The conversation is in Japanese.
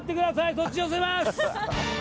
そっち寄せます！